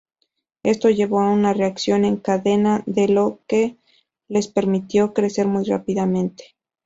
Esto llevó a una reacción en cadena, lo que les permitió crecer muy rápidamente.